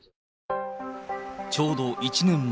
ちょうど１年前。